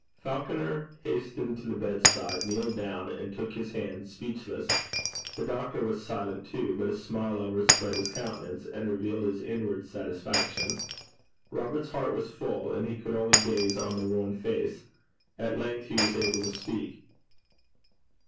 Falconer hastened to the bedside, kneeled down, and took his hand speechless. The doctor was silent too, but a smile overspread his countenance, and revealed his inward satisfaction. Robert's heart was full, and he could only gaze on the worn face. At length he was able to speak.